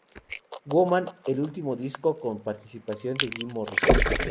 Woman, el último disco con participación de Jim Morrison.